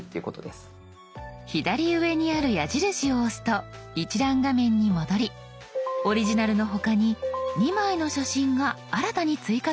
左上にある矢印を押すと一覧画面に戻りオリジナルの他に２枚の写真が新たに追加されました。